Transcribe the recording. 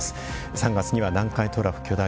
３月には南海トラフ巨大地震。